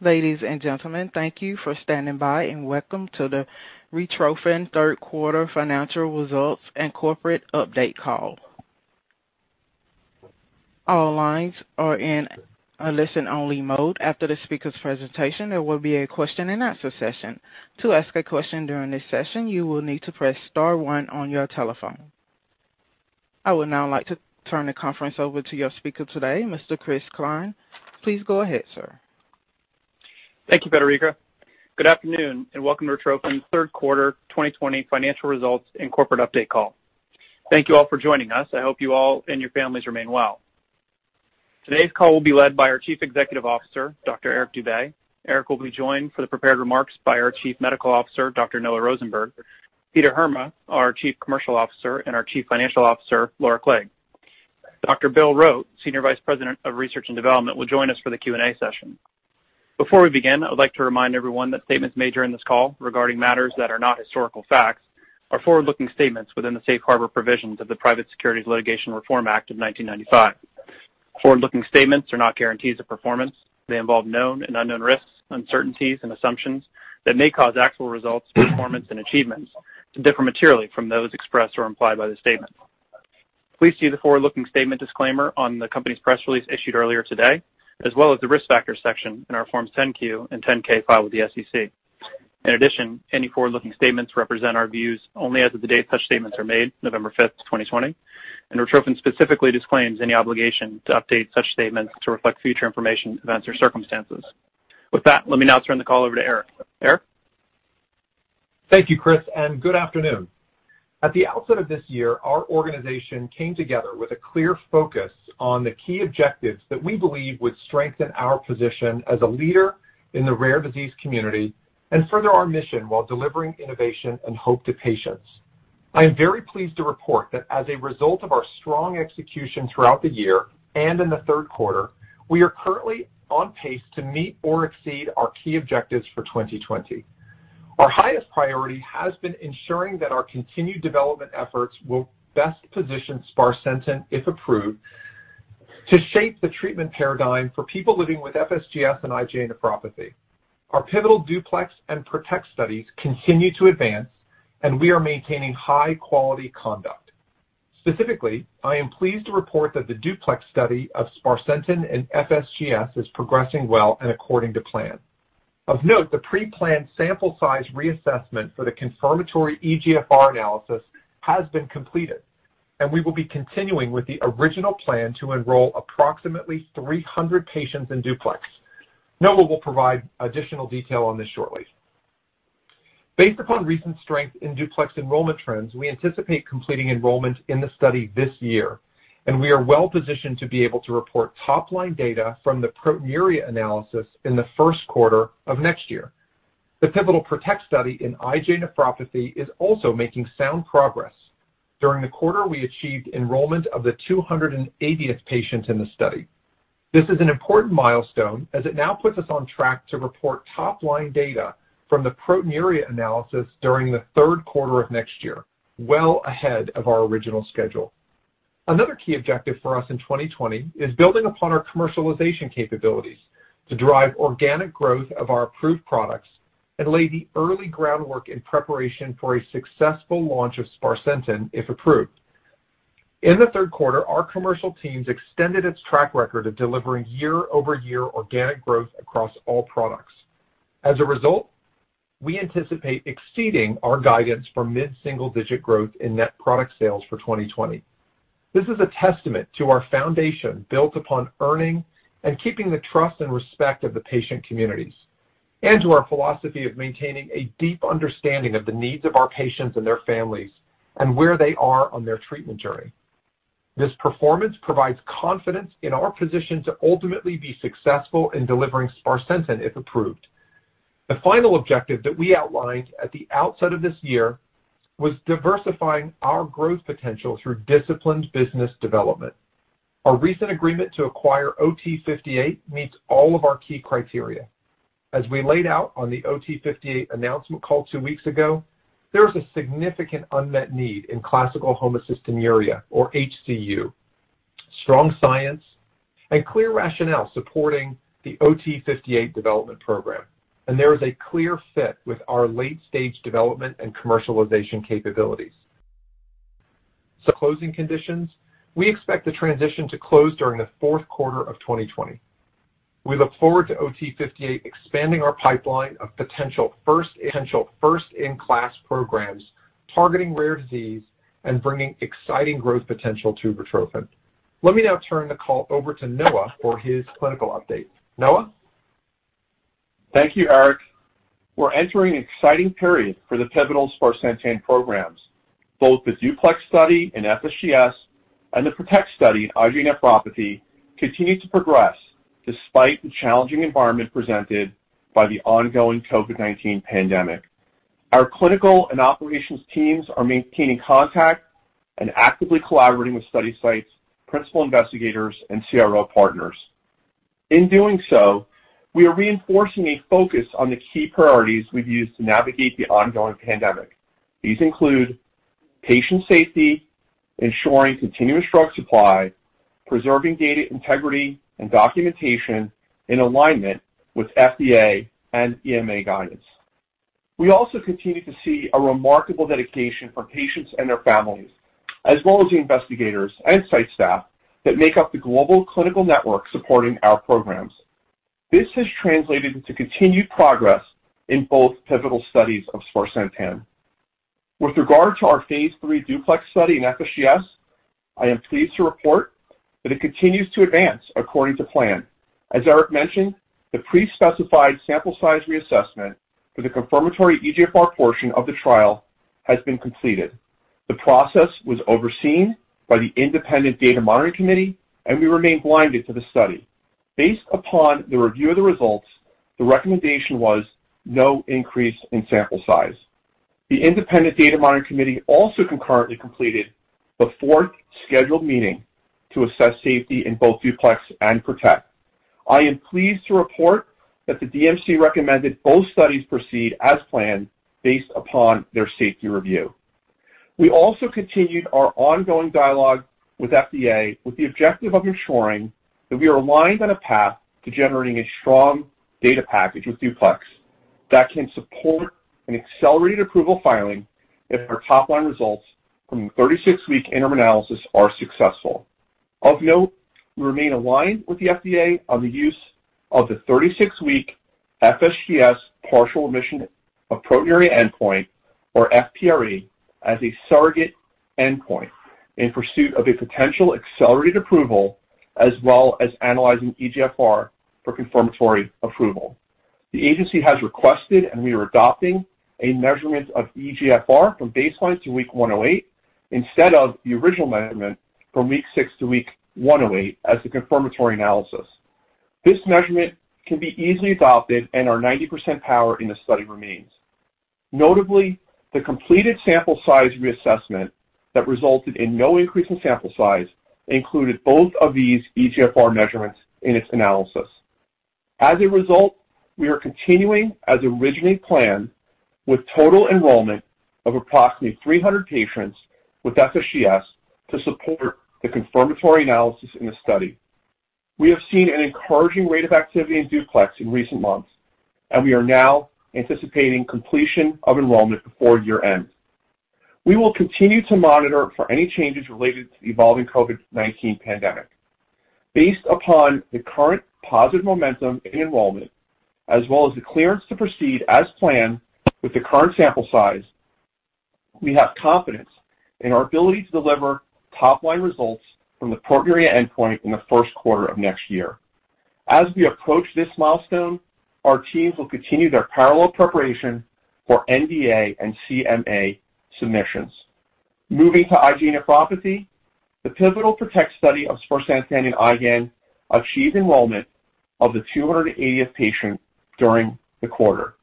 Ladies and gentlemen, thank you for standing by, and welcome to the Retrophin Third Quarter Financial Results and Corporate Update Call. All lines are in a listen-only mode. After the speakers' presentation, there will be a question and answer session. To ask a question during this session, you will need to press star one on your telephone. I would now like to turn the conference over to your speaker today, Mr. Chris Cline. Please go ahead, sir. Thank you, Frederica. Good afternoon, welcome to Retrophin Third Quarter 2020 Financial Results and Corporate Update Call. Thank you all for joining us. I hope you all and your families remain well. Today's call will be led by our Chief Executive Officer, Dr. Eric Dube. Eric will be joined for the prepared remarks by our Chief Medical Officer, Dr. Noah Rosenberg, Peter Heerma, our Chief Commercial Officer, and our Chief Financial Officer, Laura Clague. Dr. William Rote, Senior Vice President of Research and Development, will join us for the Q&A session. Before we begin, I would like to remind everyone that statements made during this call regarding matters that are not historical facts are forward-looking statements within the safe harbor provisions of the Private Securities Litigation Reform Act of 1995. Forward-looking statements are not guarantees of performance. They involve known and unknown risks, uncertainties, and assumptions that may cause actual results, performance, and achievements to differ materially from those expressed or implied by the statement. Please see the forward-looking statement disclaimer on the company's press release issued earlier today, as well as the risk factors section in our Forms 10-Q and 10-K filed with the SEC. Any forward-looking statements represent our views only as of the date such statements are made, November 5th, 2020, and Retrophin specifically disclaims any obligation to update such statements to reflect future information, events, or circumstances. With that, let me now turn the call over to Eric. Eric? Thank you, Chris, and good afternoon. At the outset of this year, our organization came together with a clear focus on the key objectives that we believe would strengthen our position as a leader in the rare disease community and further our mission while delivering innovation and hope to patients. I am very pleased to report that as a result of our strong execution throughout the year and in the third quarter, we are currently on pace to meet or exceed our key objectives for 2020. Our highest priority has been ensuring that our continued development efforts will best position sparsentan, if approved, to shape the treatment paradigm for people living with FSGS and IgA nephropathy. Our pivotal DUPLEX and PROTECT studies continue to advance, and we are maintaining high-quality conduct. Specifically, I am pleased to report that the DUPLEX study of sparsentan in FSGS is progressing well and according to plan. Of note, the pre-planned sample size reassessment for the confirmatory eGFR analysis has been completed, and we will be continuing with the original plan to enroll approximately 300 patients in DUPLEX. Noah will provide additional detail on this shortly. Based upon recent strength in DUPLEX enrollment trends, we anticipate completing enrollment in the study this year, and we are well-positioned to be able to report top-line data from the proteinuria analysis in the first quarter of next year. The pivotal PROTECT study in IgA nephropathy is also making sound progress. During the quarter, we achieved enrollment of the 280th patient in the study. This is an important milestone as it now puts us on track to report top-line data from the proteinuria analysis during the third quarter of next year, well ahead of our original schedule. Another key objective for us in 2020 is building upon our commercialization capabilities to drive organic growth of our approved products and lay the early groundwork in preparation for a successful launch of sparsentan, if approved. In the third quarter, our commercial teams extended its track record of delivering year-over-year organic growth across all products. As a result, we anticipate exceeding our guidance for mid-single-digit growth in net product sales for 2020. This is a testament to our foundation built upon earning and keeping the trust and respect of the patient communities and to our philosophy of maintaining a deep understanding of the needs of our patients and their families and where they are on their treatment journey. This performance provides confidence in our position to ultimately be successful in delivering sparsentan, if approved. The final objective that we outlined at the outset of this year was diversifying our growth potential through disciplined business development. Our recent agreement to acquire OT-58 meets all of our key criteria. As we laid out on the OT-58 announcement call two weeks ago, there is a significant unmet need in classical homocystinuria, or HCU. There is a clear fit with our late-stage development and commercialization capabilities. Closing conditions, we expect the transition to close during the fourth quarter of 2020. We look forward to OT-58 expanding our pipeline of potential first-in-class programs targeting rare disease and bringing exciting growth potential to Retrophin. Let me now turn the call over to Noah for his clinical update. Noah? Thank you, Eric. We're entering an exciting period for the pivotal sparsentan programs. Both the DUPLEX study in FSGS and the PROTECT study in IgA nephropathy continue to progress despite the challenging environment presented by the ongoing COVID-19 pandemic. Our clinical and operations teams are maintaining contact and actively collaborating with study sites, principal investigators, and CRO partners. In doing so, we are reinforcing a focus on the key priorities we've used to navigate the ongoing pandemic. These include Patient safety, ensuring continuous drug supply, preserving data integrity and documentation in alignment with FDA and EMA guidance. We also continue to see a remarkable dedication from patients and their families, as well as the investigators and site staff that make up the global clinical network supporting our programs. This has translated into continued progress in both pivotal studies of sparsentan. With regard to our phase III DUPLEX study in FSGS, I am pleased to report that it continues to advance according to plan. As Eric mentioned, the pre-specified sample size reassessment for the confirmatory eGFR portion of the trial has been completed. The process was overseen by the independent data monitoring committee, and we remain blinded to the study. Based upon the review of the results, the recommendation was no increase in sample size. The independent data monitoring committee also concurrently completed the fourth scheduled meeting to assess safety in both DUPLEX and PROTECT. I am pleased to report that the DMC recommended both studies proceed as planned based upon their safety review. We also continued our ongoing dialogue with FDA with the objective of ensuring that we are aligned on a path to generating a strong data package with DUPLEX that can support an accelerated approval filing if our top-line results from the 36-week interim analysis are successful. Of note, we remain aligned with the FDA on the use of the 36-week FSGS partial remission of proteinuria endpoint, or FPRE, as a surrogate endpoint in pursuit of a potential accelerated approval, as well as analyzing eGFR for confirmatory approval. The agency has requested, and we are adopting, a measurement of eGFR from baseline to week 108 instead of the original measurement from week 6 - week 108 as the confirmatory analysis. This measurement can be easily adopted and our 90% power in the study remains. Notably, the completed sample size reassessment that resulted in no increase in sample size included both of these eGFR measurements in its analysis. As a result, we are continuing as originally planned with total enrollment of approximately 300 patients with FSGS to support the confirmatory analysis in the study. We have seen an encouraging rate of activity in DUPLEX in recent months, and we are now anticipating completion of enrollment before year-end. We will continue to monitor for any changes related to the evolving COVID-19 pandemic. Based upon the current positive momentum in enrollment, as well as the clearance to proceed as planned with the current sample size, we have confidence in our ability to deliver top-line results from the proteinuria endpoint in the first quarter of next year. As we approach this milestone, our teams will continue their parallel preparation for NDA and MAA submissions. Moving to IgA nephropathy, the pivotal PROTECT study of sparsentan and IgAN achieved enrollment of the 280th patient during the quarter.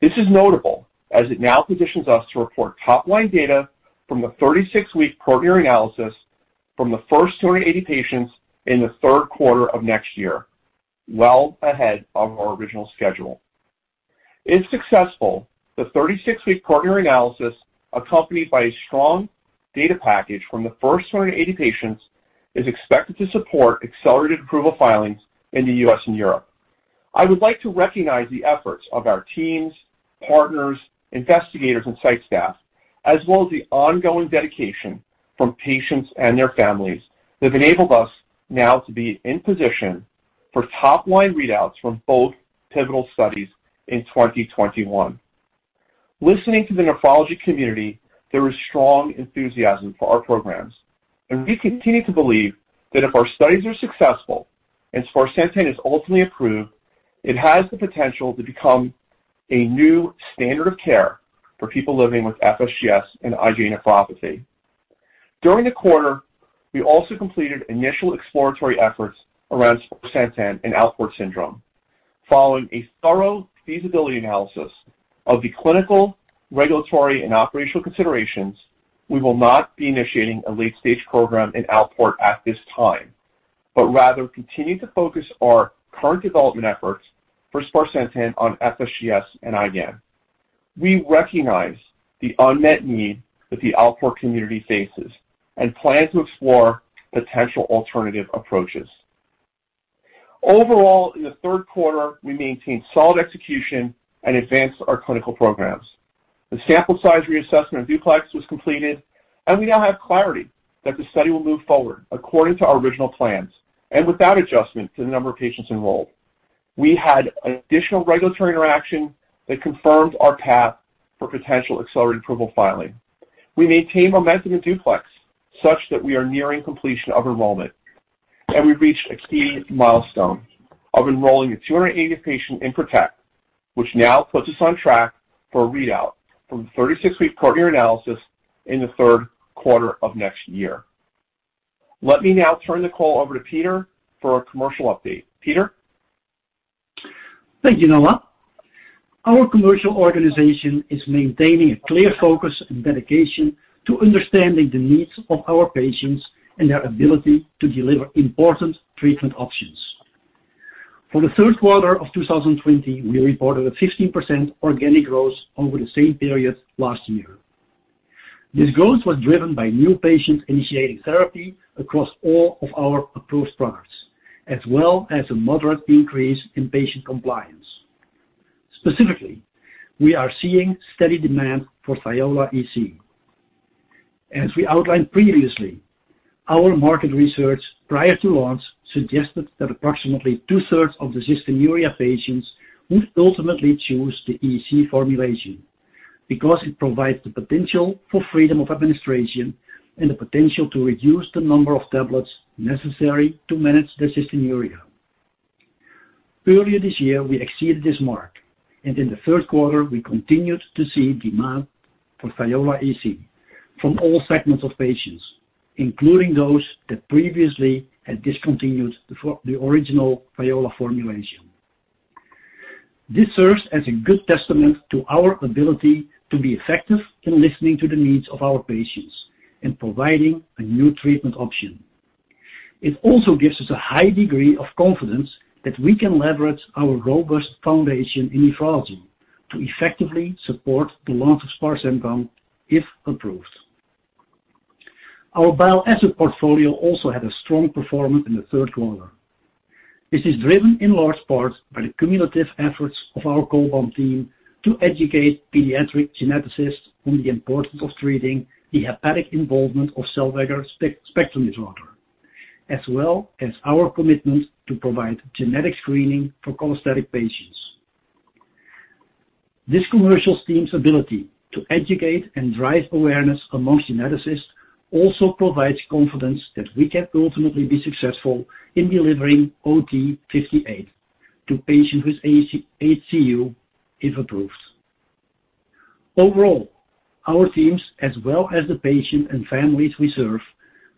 This is notable as it now positions us to report top-line data from the 36-week proteinuria analysis from the first 280 patients in the third quarter of next year, well ahead of our original schedule. If successful, the 36-week proteinuria analysis, accompanied by a strong data package from the first 280 patients, is expected to support accelerated approval filings in the U.S. and Europe. I would like to recognize the efforts of our teams, partners, investigators, and site staff, as well as the ongoing dedication from patients and their families that have enabled us now to be in position for top-line readouts from both pivotal studies in 2021. Listening to the nephrology community, there is strong enthusiasm for our programs, and we continue to believe that if our studies are successful and sparsentan is ultimately approved, it has the potential to become a new standard of care for people living with FSGS and IgA nephropathy. During the quarter, we also completed initial exploratory efforts around sparsentan and Alport syndrome. Following a thorough feasibility analysis of the clinical, regulatory, and operational considerations, we will not be initiating a late-stage program in Alport at this time, but rather continue to focus our current development efforts for sparsentan on FSGS and IgAN. We recognize the unmet need that the Alport community faces and plan to explore potential alternative approaches. Overall, in the third quarter, we maintained solid execution and advanced our clinical programs. The sample size reassessment of DUPLEX was completed, and we now have clarity that the study will move forward according to our original plans and without adjustment to the number of patients enrolled. We had additional regulatory interaction that confirmed our path for potential accelerated approval filing. We maintained momentum in DUPLEX such that we are nearing completion of enrollment, and we've reached a key milestone of enrolling the 280th patient in PROTECT, which now puts us on track for a readout from the 36-week proteinuria analysis in the third quarter of next year. Let me now turn the call over to Peter for a commercial update. Peter? Thank you, Noah. Our commercial organization is maintaining a clear focus and dedication to understanding the needs of our patients and their ability to deliver important treatment options. For the third quarter of 2020, we reported a 15% organic growth over the same period last year. This growth was driven by new patients initiating therapy across all of our approved products, as well as a moderate increase in patient compliance. Specifically, we are seeing steady demand for THIOLA EC. As we outlined previously, our market research prior to launch suggested that approximately two-thirds of the cystinuria patients would ultimately choose the EC formulation, because it provides the potential for freedom of administration and the potential to reduce the number of tablets necessary to manage their cystinuria. Earlier this year, we exceeded this mark, and in the third quarter, we continued to see demand for THIOLA EC from all segments of patients, including those that previously had discontinued the original THIOLA formulation. This serves as a good testament to our ability to be effective in listening to the needs of our patients and providing a new treatment option. It also gives us a high degree of confidence that we can leverage our robust foundation in nephrology to effectively support the launch of sparsentan, if approved. Our bile acid portfolio also had a strong performance in the third quarter. This is driven in large part by the cumulative efforts of our Cholbam team to educate pediatric geneticists on the importance of treating the hepatic involvement of Zellweger spectrum disorder, as well as our commitment to provide genetic screening for cholestatic patients. This commercial team's ability to educate and drive awareness amongst geneticists also provides confidence that we can ultimately be successful in delivering OT-58 to patients with HCU, if approved. Overall, our teams, as well as the patients and families we serve,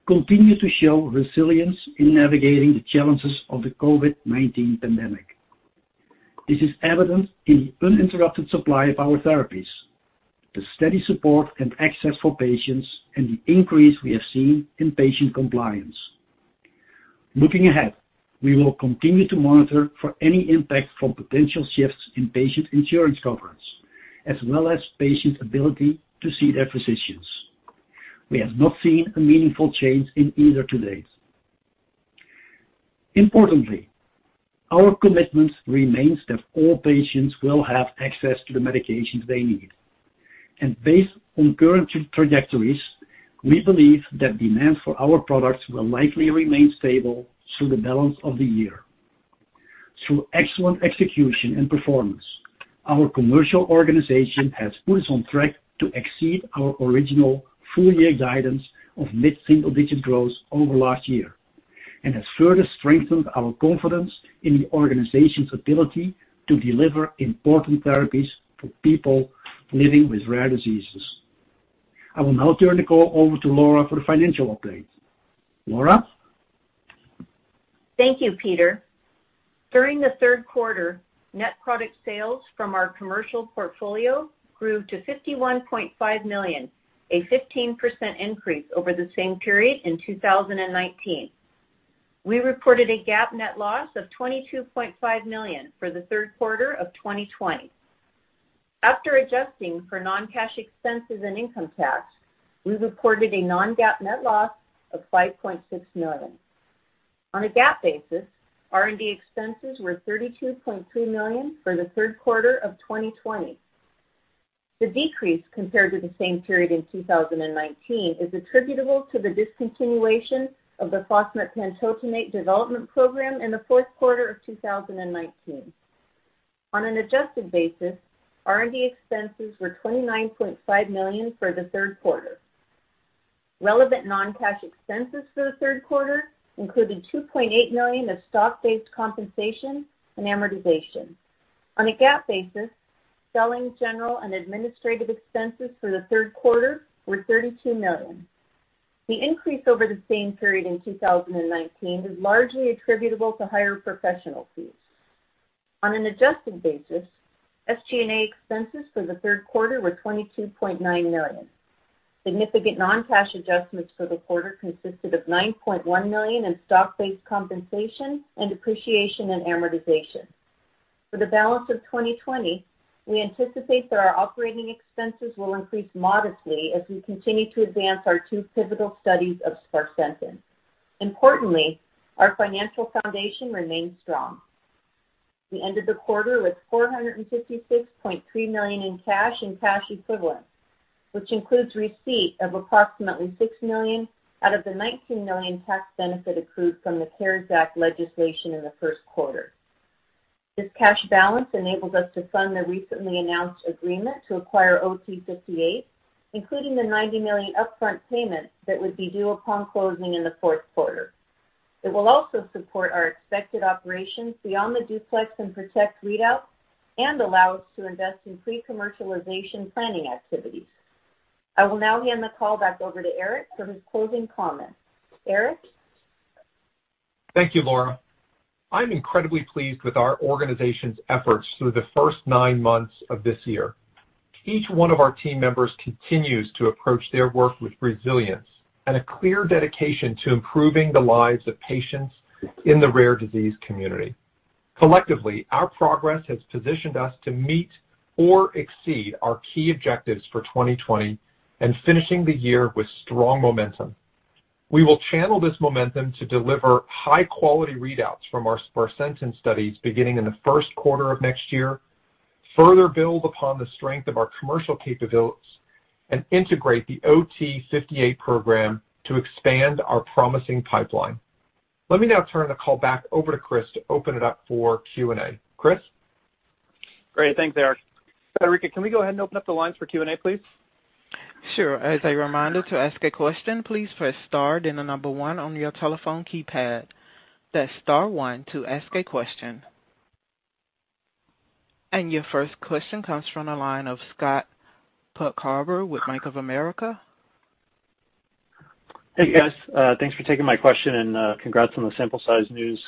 continue to show resilience in navigating the challenges of the COVID-19 pandemic. This is evident in the uninterrupted supply of our therapies, the steady support and access for patients, and the increase we have seen in patient compliance. Looking ahead, we will continue to monitor for any impact from potential shifts in patient insurance coverage, as well as patients' ability to see their physicians. We have not seen a meaningful change in either to date. Importantly, our commitment remains that all patients will have access to the medications they need. Based on current trajectories, we believe that demand for our products will likely remain stable through the balance of the year. Through excellent execution and performance, our commercial organization has put us on track to exceed our original full-year guidance of mid-single-digit growth over last year and has further strengthened our confidence in the organization's ability to deliver important therapies for people living with rare diseases. I will now turn the call over to Laura for the financial update. Laura? Thank you, Peter. During the third quarter, net product sales from our commercial portfolio grew to $51.5 million, a 15% increase over the same period in 2019. We reported a GAAP net loss of $22.5 million for the third quarter of 2020. After adjusting for non-cash expenses and income tax, we reported a non-GAAP net loss of $5.6 million. On a GAAP basis, R&D expenses were $32.2 million for the third quarter of 2020. The decrease compared to the same period in 2019 is attributable to the discontinuation of the fosmetpantotenate development program in the fourth quarter of 2019. On an adjusted basis, R&D expenses were $29.5 million for the third quarter. Relevant non-cash expenses for the third quarter included $2.8 million of stock-based compensation and amortization. On a GAAP basis, selling, general, and administrative expenses for the third quarter were $32 million. The increase over the same period in 2019 is largely attributable to higher professional fees. On an adjusted basis, SG&A expenses for the third quarter were $22.9 million. Significant non-cash adjustments for the quarter consisted of $9.1 million in stock-based compensation and depreciation and amortization. For the balance of 2020, we anticipate that our operating expenses will increase modestly as we continue to advance our two pivotal studies of sparsentan. Importantly, our financial foundation remains strong. We ended the quarter with $456.3 million in cash and cash equivalents, which includes receipt of approximately $6 million out of the $19 million tax benefit accrued from the CARES Act legislation in the first quarter. This cash balance enables us to fund the recently announced agreement to acquire OT-58, including the $90 million upfront payment that would be due upon closing in the fourth quarter. It will also support our expected operations beyond the DUPLEX and PROTECT readouts and allow us to invest in pre-commercialization planning activities. I will now hand the call back over to Eric for his closing comments. Eric? Thank you, Laura. I'm incredibly pleased with our organization's efforts through the first nine months of this year. Each one of our team members continues to approach their work with resilience and a clear dedication to improving the lives of patients in the rare disease community. Collectively, our progress has positioned us to meet or exceed our key objectives for 2020 and finishing the year with strong momentum. We will channel this momentum to deliver high-quality readouts from our sparsentan studies beginning in the first quarter of next year, further build upon the strength of our commercial capabilities, and integrate the OT-58 program to expand our promising pipeline. Let me now turn the call back over to Chris to open it up for Q&A. Chris? Great. Thanks, Eric. Frederica, can we go ahead and open up the lines for Q&A, please? Sure. As a reminder, to ask a question, please press star then the number 1 on your telephone keypad. That's star one to ask a question. Your first question comes from the line of Scott Puckhaber with Bank of America. Hey, guys. Thanks for taking my question and congrats on the sample size news.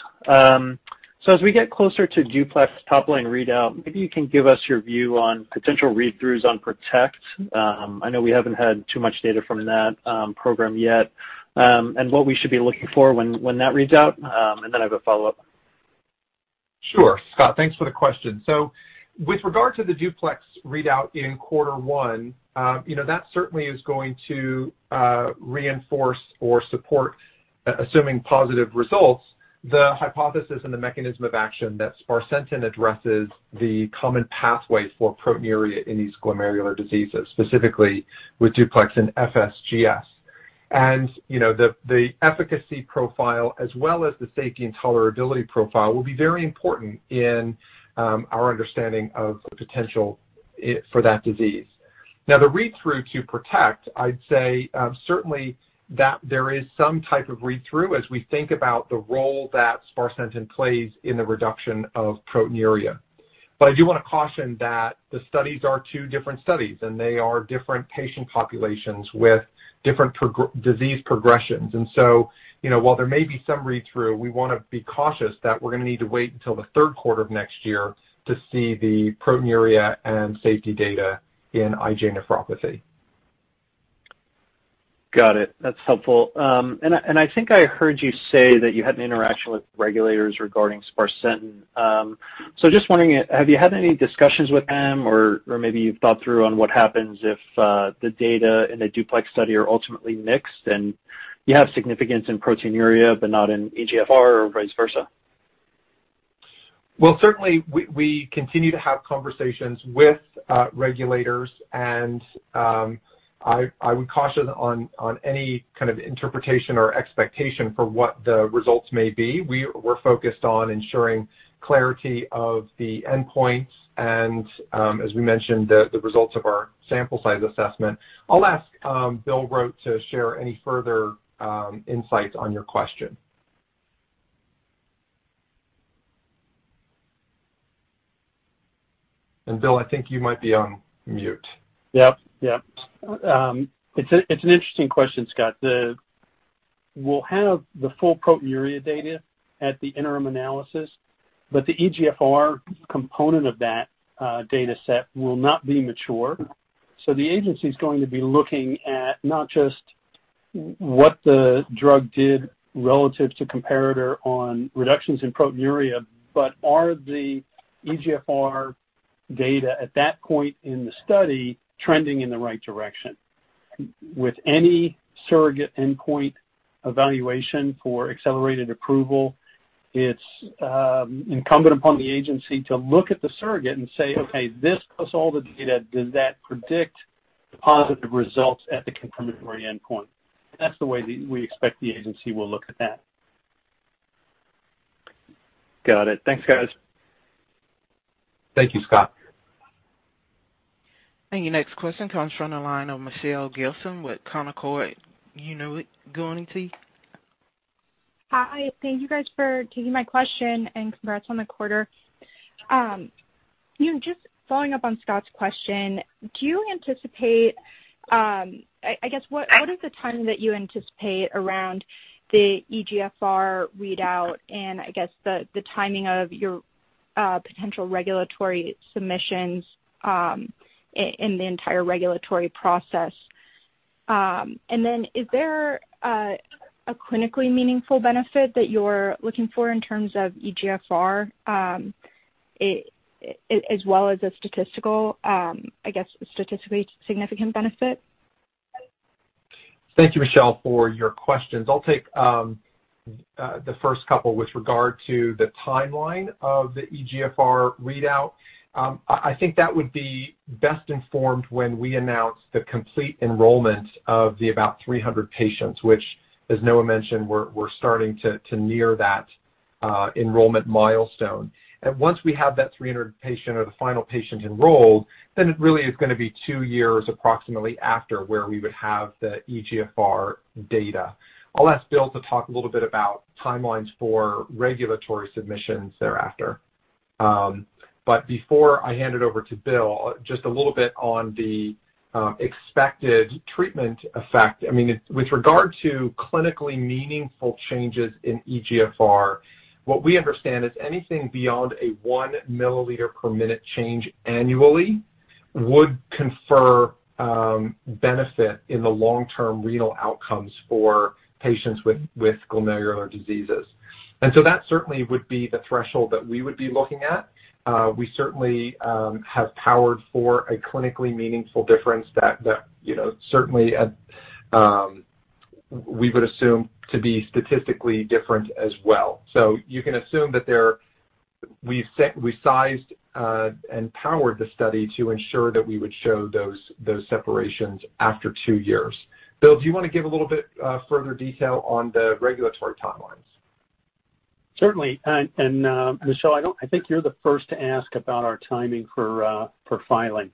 As we get closer to DUPLEX top-line readout, maybe you can give us your view on potential read-throughs on PROTECT. I know we haven't had too much data from that program yet. What we should be looking for when that reads out. I have a follow-up. Sure, Scott. Thanks for the question. With regard to the DUPLEX readout in quarter one, that certainly is going to reinforce or support, assuming positive results, the hypothesis and the mechanism of action that sparsentan addresses the common pathways for proteinuria in these glomerular diseases, specifically with DUPLEX and FSGS. The efficacy profile as well as the safety and tolerability profile will be very important in our understanding of potential for that disease. Now, the read-through to PROTECT, I'd say certainly that there is some type of read-through as we think about the role that sparsentan plays in the reduction of proteinuria. I do want to caution that the studies are two different studies, and they are different patient populations with different disease progressions. While there may be some read-through, we want to be cautious that we're going to need to wait until the third quarter of next year to see the proteinuria and safety data in IgA nephropathy. Got it. That's helpful. I think I heard you say that you had an interaction with regulators regarding sparsentan. Just wondering, have you had any discussions with them, or maybe you've thought through on what happens if the data in the DUPLEX study are ultimately mixed and you have significance in proteinuria but not in eGFR or vice versa? Well, certainly we continue to have conversations with regulators and I would caution on any kind of interpretation or expectation for what the results may be. We're focused on ensuring clarity of the endpoints and, as we mentioned, the results of our sample size assessment. I'll ask Bill Rote to share any further insights on your question. Bill, I think you might be on mute. Yep. It's an interesting question, Scott. We'll have the full proteinuria data at the interim analysis, but the eGFR component of that dataset will not be mature. The agency's going to be looking at not just what the drug did relative to comparator on reductions in proteinuria, but are the eGFR data at that point in the study trending in the right direction? With any surrogate endpoint evaluation for accelerated approval, it's incumbent upon the agency to look at the surrogate and say, "Okay, this plus all the data, does that predict the positive results at the confirmatory endpoint?" That's the way we expect the agency will look at that. Got it. Thanks, guys. Thank you, Scott. Your next question comes from the line of Michelle Gilson with Canaccord. Hi. Thank you guys for taking my question, congrats on the quarter. Just following up on Scott's question, what is the timing that you anticipate around the eGFR readout, and I guess the timing of your potential regulatory submissions in the entire regulatory process? Is there a clinically meaningful benefit that you're looking for in terms of eGFR, as well as a statistically significant benefit? Thank you, Michelle, for your questions. I'll take the first couple with regard to the timeline of the eGFR readout. I think that would be best informed when we announce the complete enrollment of the about 300 patients, which, as Noah mentioned, we're starting to near that enrollment milestone. Once we have that 300 patient or the final patient enrolled, it really is going to be two years approximately after where we would have the eGFR data. I'll ask Bill to talk a little bit about timelines for regulatory submissions thereafter. Before I hand it over to Bill, just a little bit on the expected treatment effect. With regard to clinically meaningful changes in eGFR, what we understand is anything beyond a one milliliter per minute change annually would confer benefit in the long-term renal outcomes for patients with glomerular diseases. That certainly would be the threshold that we would be looking at. We certainly have powered for a clinically meaningful difference that certainly we would assume to be statistically different as well. You can assume that we sized and powered the study to ensure that we would show those separations after two years. Bill, do you want to give a little bit further detail on the regulatory timelines? Certainly. Michelle, I think you're the first to ask about our timing for filing.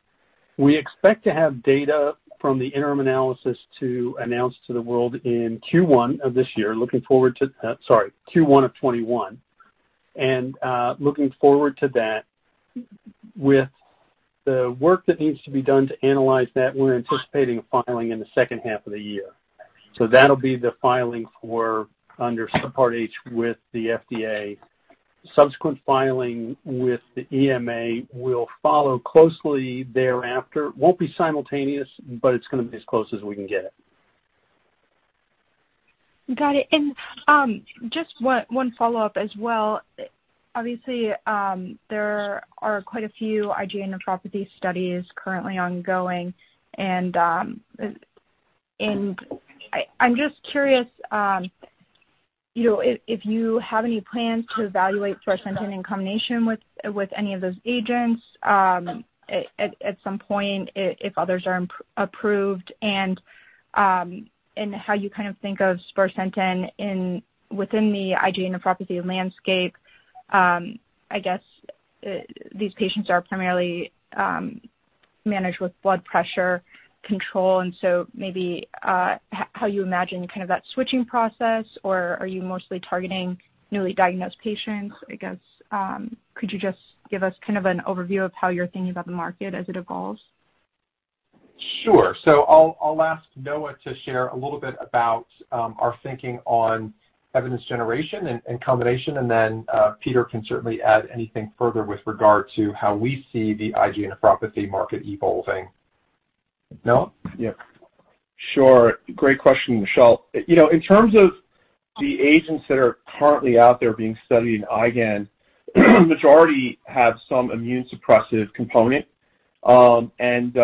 We expect to have data from the interim analysis to announce to the world in Q1 of 2021. Looking forward to that with the work that needs to be done to analyze that, we're anticipating a filing in the second half of the year. That'll be the filing for under Subpart H with the FDA. Subsequent filing with the EMA will follow closely thereafter. Won't be simultaneous, it's going to be as close as we can get it. Got it. Just one follow-up as well. Obviously, there are quite a few IgA nephropathy studies currently ongoing, and I'm just curious if you have any plans to evaluate sparsentan in combination with any of those agents at some point, if others are approved, and how you think of sparsentan within the IgA nephropathy landscape. These patients are primarily managed with blood pressure control, maybe how you imagine that switching process, or are you mostly targeting newly diagnosed patients? Could you just give us an overview of how you're thinking about the market as it evolves? Sure. I'll ask Noah to share a little bit about our thinking on evidence generation and combination, and then Peter can certainly add anything further with regard to how we see the IgA nephropathy market evolving. Noah? Yeah. Sure. Great question, Michelle. In terms of the agents that are currently out there being studied in IgAN, majority have some immune-suppressive component. There is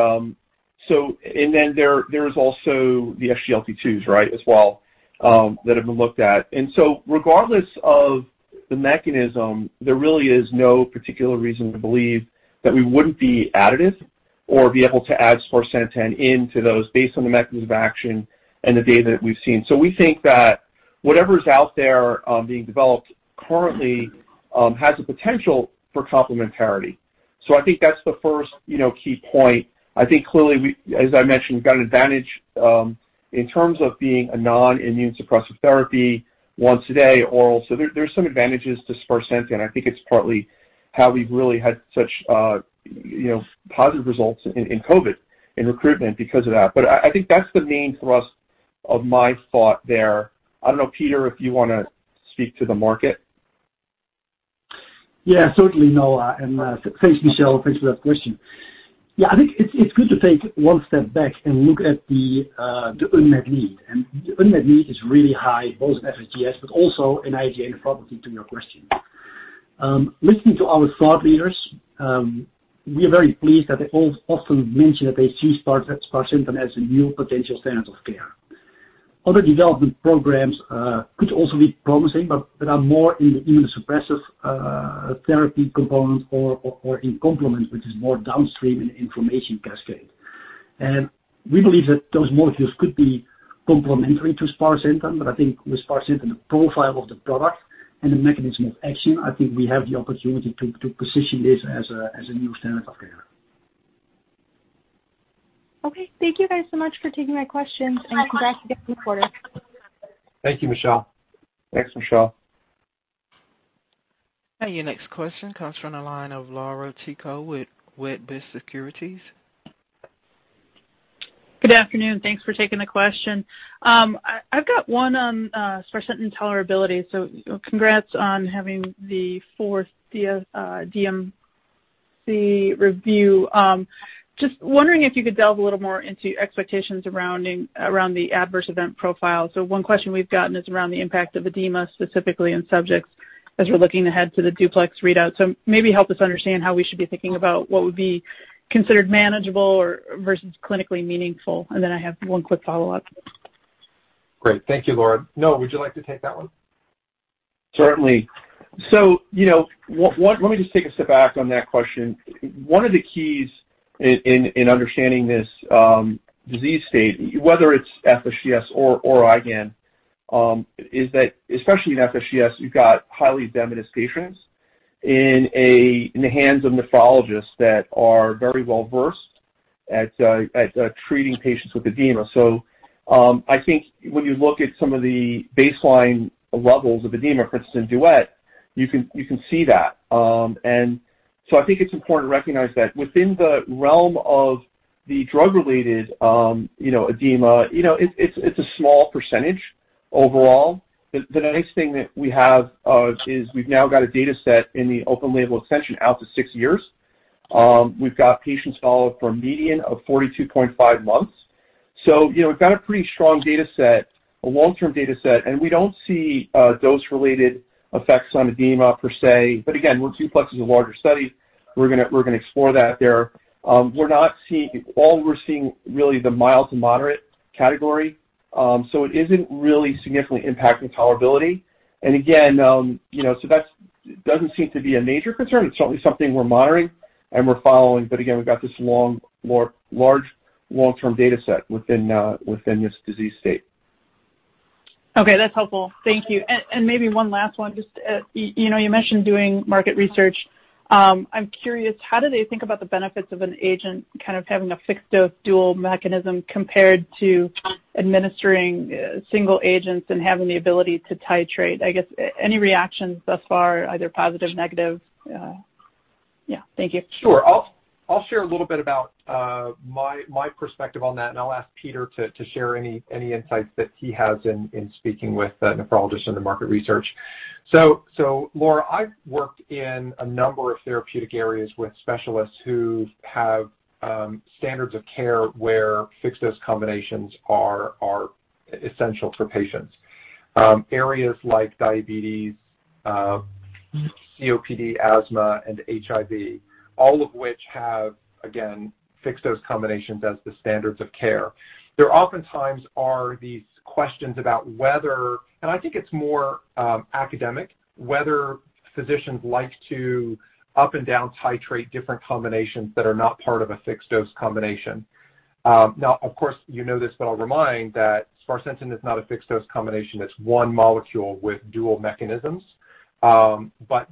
also the SGLT2s as well, that have been looked at. Regardless of the mechanism, there really is no particular reason to believe that we wouldn't be additive or be able to add sparsentan into those based on the mechanism of action and the data that we've seen. We think that whatever's out there being developed currently has a potential for complementarity. I think that's the first key point. I think clearly, as I mentioned, we've got an advantage in terms of being a non-immune suppressive therapy, once a day oral. There's some advantages to sparsentan, and I think it's partly how we've really had such positive results in COVID, in recruitment because of that. I think that's the main thrust of my thought there. I don't know, Peter, if you want to speak to the market. Certainly, Noah, thanks, Michelle. Thanks for that question. I think it's good to take one step back and look at the unmet need. The unmet need is really high, both in FSGS, but also in IgA nephropathy to your question. Listening to our thought leaders, we are very pleased that they all often mention that they see sparsentan as a new potential standard of care. Other development programs could also be promising, but are more in the immunosuppressive therapy component or in complement, which is more downstream in inflammation cascade. We believe that those molecules could be complementary to sparsentan, but I think with sparsentan, the profile of the product and the mechanism of action, I think we have the opportunity to position this as a new standard of care. Okay. Thank you guys so much for taking my questions and congrats again on the quarter. Thank you, Michelle. Thanks, Michelle. Your next question comes from the line of Laura Chico with Wedbush Securities. Good afternoon. Thanks for taking the question. I've got one on sparsentan tolerability. Congrats on having the fourth DMC review. Just wondering if you could delve a little more into expectations around the adverse event profile. One question we've gotten is around the impact of edema, specifically in subjects as we're looking ahead to the DUPLEX readout. Maybe help us understand how we should be thinking about what would be considered manageable versus clinically meaningful. I have one quick follow-up. Great. Thank you, Laura. Noah, would you like to take that one? Certainly. Let me just take a step back on that question. One of the keys in understanding this disease state, whether it's FSGS or IgAN, is that especially in FSGS, you've got highly edematous patients in the hands of nephrologists that are very well-versed at treating patients with edema. I think when you look at some of the baseline levels of edema, for instance, DUET, you can see that. I think it's important to recognize that within the realm of the drug-related edema, it's a small percentage overall. The nice thing that we have is we've now got a data set in the open-label extension out to six years. We've got patients followed for a median of 42.5 months. We've got a pretty strong data set, a long-term data set, and we don't see dose-related effects on edema per se. When DUPLEX is a larger study, we're going to explore that there. All we're seeing really the mild to moderate category. It isn't really significantly impacting tolerability. That doesn't seem to be a major concern. It's certainly something we're monitoring and we're following. We've got this large, long-term data set within this disease state. Okay, that's helpful. Thank you. Maybe one last one, just you mentioned doing market research. I'm curious, how do they think about the benefits of an agent kind of having a fixed-dose dual mechanism compared to administering single agents and having the ability to titrate? I guess any reactions thus far, either positive, negative? Yeah. Thank you. Sure. I'll share a little bit about my perspective on that, and I'll ask Peter to share any insights that he has in speaking with the nephrologists in the market research. Laura, I've worked in a number of therapeutic areas with specialists who have standards of care where fixed-dose combinations are essential for patients. Areas like diabetes, COPD, asthma, and HIV, all of which have, again, fixed-dose combinations as the standards of care. There oftentimes are these questions about whether, and I think it's more academic, whether physicians like to up and down titrate different combinations that are not part of a fixed-dose combination. Of course you know this, but I'll remind that sparsentan is not a fixed-dose combination. It's one molecule with dual mechanisms.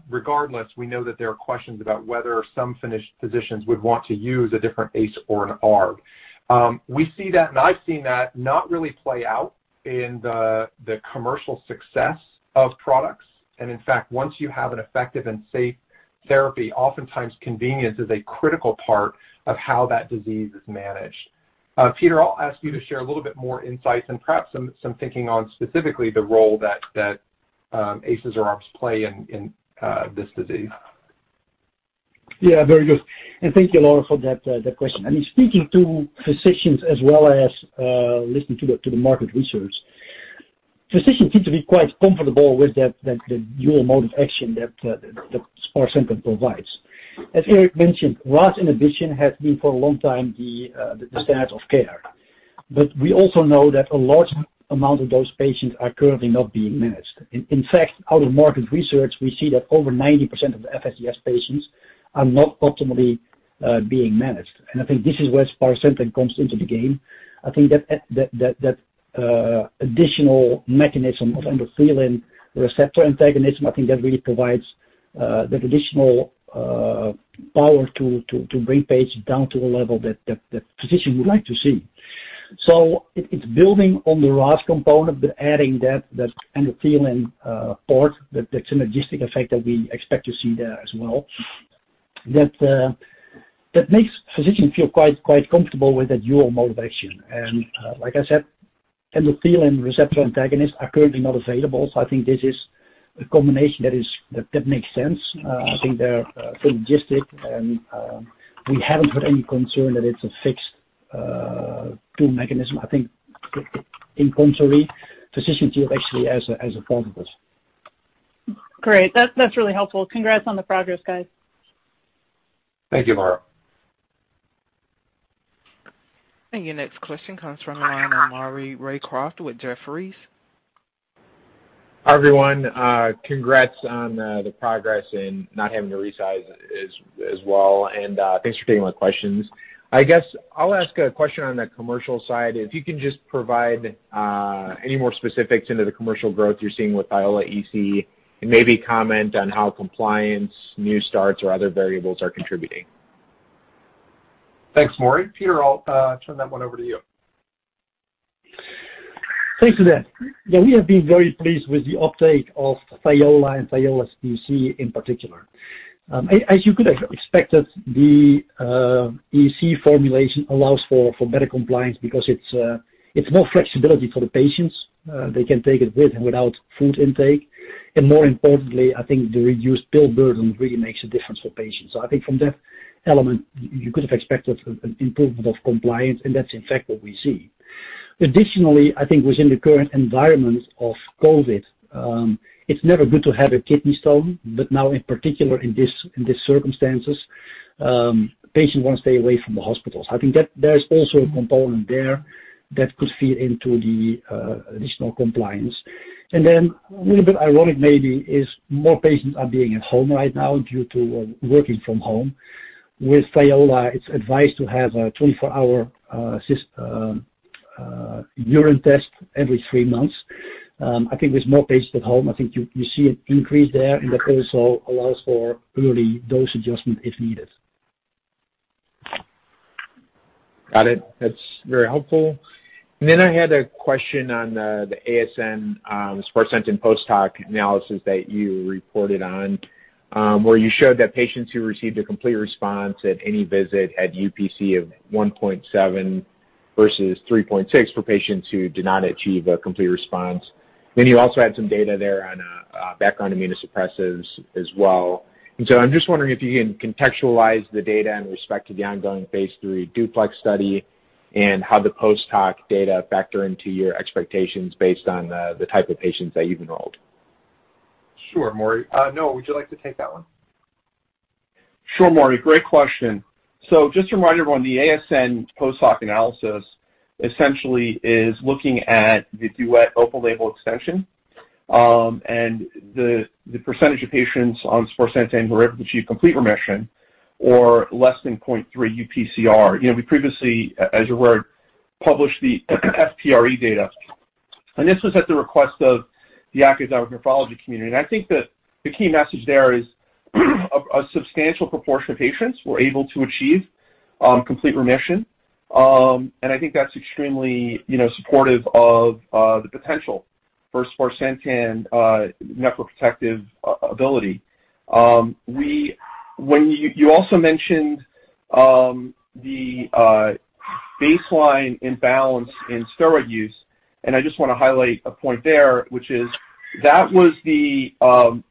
Regardless, we know that there are questions about whether some physicians would want to use a different ACE or an ARB. We see that. I've seen that not really play out in the commercial success of products. In fact, once you have an effective and safe therapy, oftentimes convenience is a critical part of how that disease is managed. Peter, I'll ask you to share a little bit more insights and perhaps some thinking on specifically the role that ACEs or ARBs play in this disease. Yeah, very good. Thank you, Laura, for that question. I mean, speaking to physicians as well as listening to the market research, physicians seem to be quite comfortable with the dual mode of action that sparsentan provides. As Eric mentioned, RAS inhibition has been for a long time the standard of care. We also know that a large amount of those patients are currently not being managed. In fact, out of market research, we see that over 90% of the FSGS patients are not optimally being managed. I think this is where sparsentan comes into the game. I think that additional mechanism of endothelin receptor antagonism, I think that really provides that additional power to bring patients down to a level that the physician would like to see. It's building on the RAS component, but adding that endothelin part, that synergistic effect that we expect to see there as well. That makes physicians feel quite comfortable with that dual mode of action. Like I said, endothelin receptor antagonists are currently not available. I think this is a combination that makes sense. I think they're synergistic and we haven't had any concern that it's a fixed dual mechanism. I think in contrary, physicians feel actually as opposed. Great. That's really helpful. Congrats on the progress, guys. Thank you, Laura. Your next question comes from the line of Maury Raycroft with Jefferies. Hi, everyone. Congrats on the progress and not having to resize as well. Thanks for taking my questions. I guess I'll ask a question on the commercial side. If you can just provide any more specifics into the commercial growth you're seeing with THIOLA EC and maybe comment on how compliance, new starts, or other variables are contributing. Thanks, Maury. Peter, I'll turn that one over to you. Thanks for that. Yeah, we have been very pleased with the uptake of THIOLA and THIOLA EC in particular. As you could have expected, the EC formulation allows for better compliance because it's more flexibility for the patients. They can take it with and without food intake. More importantly, I think the reduced pill burden really makes a difference for patients. I think from that element, you could have expected an improvement of compliance, and that's in fact what we see. Additionally, I think within the current environment of COVID-19, it's never good to have a kidney stone, but now in particular in these circumstances, patients want to stay away from the hospitals. I think there's also a component there that could feed into the additional compliance. A little bit ironic maybe is more patients are being at home right now due to working from home. With THIOLA, it's advised to have a 24-hour urine test every three months. I think there's more patients at home. I think you see an increase there, and that also allows for early dose adjustment if needed. Got it. That's very helpful. I had a question on the ASN sparsentan post hoc analysis that you reported on, where you showed that patients who received a complete response at any visit had UPC of 1.7 versus 3.6 for patients who did not achieve a complete response. You also had some data there on background immunosuppressives as well. I'm just wondering if you can contextualize the data in respect to the ongoing phase III DUPLEX study and how the post hoc data factor into your expectations based on the type of patients that you've enrolled. Sure, Maury. Noah, would you like to take that one? Sure, Maury. Great question. Just a reminder on the ASN post hoc analysis essentially is looking at the DUET open label extension, and the percentage of patients on sparsentan who were able to achieve complete remission or less than 0.3 UPCR. We previously, as you're aware, published the FPRE data, and this was at the request of the academic nephrology community. I think that the key message there is a substantial proportion of patients were able to achieve complete remission, and I think that's extremely supportive of the potential for sparsentan nephroprotective ability. You also mentioned the baseline imbalance in steroid use, and I just want to highlight a point there, which is that was the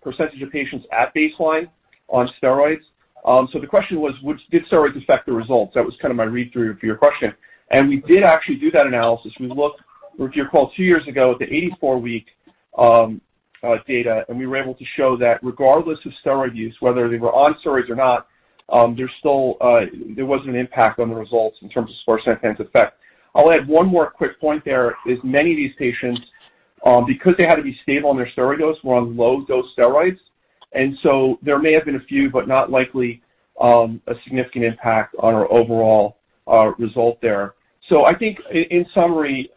percentage of patients at baseline on steroids. The question was, did steroids affect the results? That was kind of my read-through of your question. We did actually do that analysis. We looked, if you recall, two years ago at the 84-week data, and we were able to show that regardless of steroid use, whether they were on steroids or not, there wasn't an impact on the results in terms of sparsentan's effect. I'll add one more quick point there is, many of these patients, because they had to be stable on their steroid dose, were on low-dose steroids, and there may have been a few, but not likely a significant impact on our overall result there. I think in summary,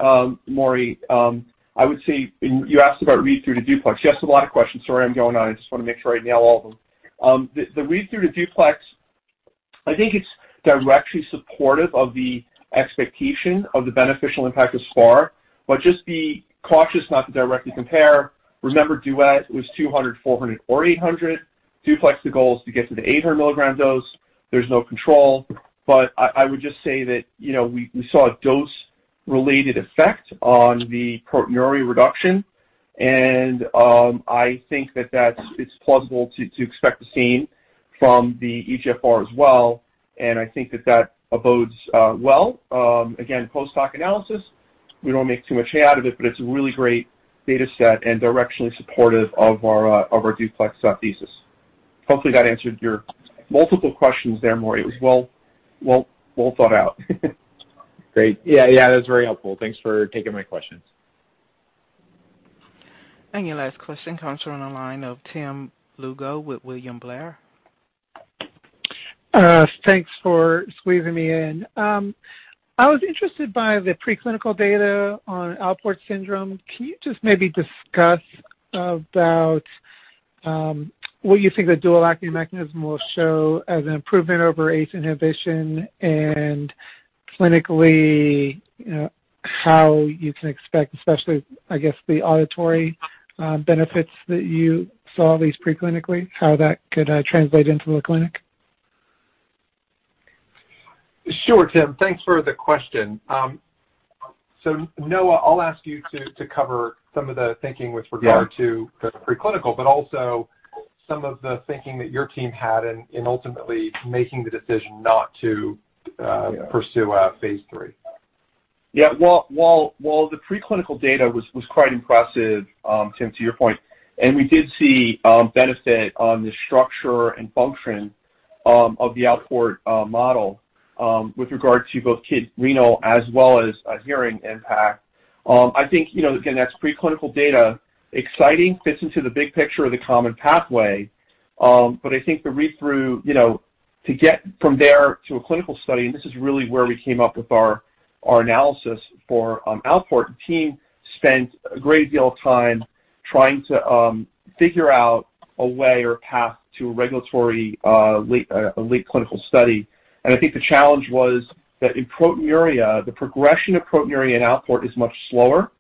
Maury, I would say, and you asked about read-through to DUPLEX. You asked a lot of questions. Sorry, I'm going on. I just want to make sure I nail all of them. The read-through to DUPLEX, I think it's directly supportive of the expectation of the beneficial impact of SPAR, but just be cautious not to directly compare. Remember, DUET was 200, 400, or 800. DUPLEX, the goal is to get to the 800 milligram dose. There's no control. I would just say that we saw a dose-related effect on the proteinuria reduction, and I think that it's plausible to expect the same from the eGFR as well, and I think that that bodes well. Again, post hoc analysis. We don't want to make too much hay out of it, but it's a really great data set and directionally supportive of our DUPLEX thesis. Hopefully, that answered your multiple questions there, Maury. It was well thought out. Great. Yeah. That's very helpful. Thanks for taking my questions. Your last question comes from the line of Tim Lugo with William Blair. Thanks for squeezing me in. I was interested by the preclinical data on Alport syndrome. Can you just maybe discuss about what you think the dual mechanism will show as an improvement over ACE inhibition and clinically, how you can expect, especially, I guess, the auditory benefits that you saw, at least preclinically, how that could translate into the clinic? Sure, Tim. Thanks for the question. Noah, I'll ask you to cover some of the thinking with regard- Yeah to the preclinical, but also some of the thinking that your team had in ultimately making the decision not to. Yeah pursue a phase III. While the preclinical data was quite impressive, Tim, to your point, and we did see benefit on the structure and function of the Alport model with regard to both kidney as well as a hearing impact. I think, again, that's preclinical data, exciting, fits into the big picture of the common pathway. I think the read-through to get from there to a clinical study, and this is really where we came up with our analysis for Alport, the team spent a great deal of time trying to figure out a way or path to a regulatory late clinical study. I think the challenge was that in proteinuria, the progression of proteinuria in Alport is much slower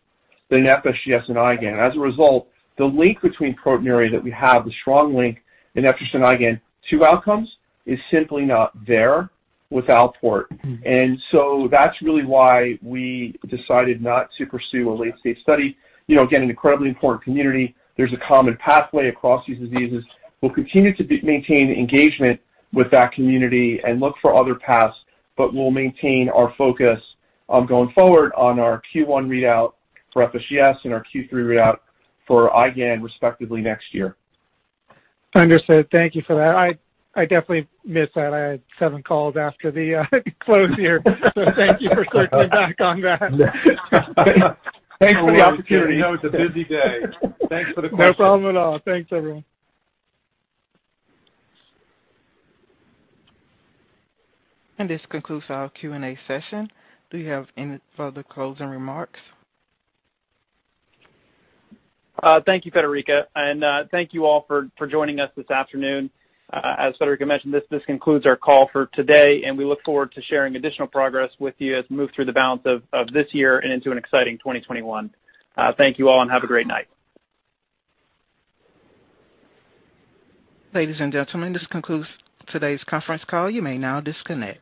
than FSGS and IgAN. As a result, the link between proteinuria that we have, the strong link in FSGS and IgAN, two outcomes is simply not there with Alport. That's really why we decided not to pursue a late-stage study. Again, an incredibly important community. There's a common pathway across these diseases. We'll continue to maintain engagement with that community and look for other paths, but we'll maintain our focus on going forward on our Q1 readout for FSGS and our Q3 readout for IgAN respectively next year. Understood. Thank you for that. I definitely missed that. I had seven calls after the close here. Thank you for circling back on that. Thanks for the opportunity. I know it's a busy day. Thanks for the question. No problem at all. Thanks, everyone. This concludes our Q&A session. Do you have any further closing remarks? Thank you, Federica, and thank you all for joining us this afternoon. As Federica mentioned, this concludes our call for today, and we look forward to sharing additional progress with you as we move through the balance of this year and into an exciting 2021. Thank you all, and have a great night. Ladies and gentlemen, this concludes today's conference call. You may now disconnect.